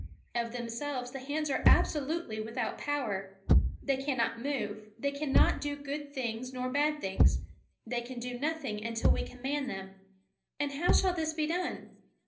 Of themselves the hands are absolutely without power. They cannot move, they cannot do good things nor bad things, they can do nothing until we command them. And how shall this be done?